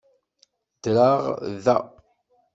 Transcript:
Ddreɣ da.